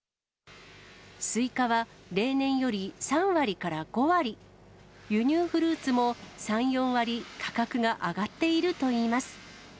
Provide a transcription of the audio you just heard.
スイカは例年より３割から５割、輸入フルーツも３、４割、価格が上がっているといいます。